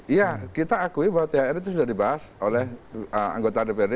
iya kita akui bahwa thr itu sudah dibahas oleh anggota dprd